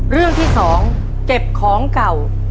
เรื่องที่๒เก็บของเก่า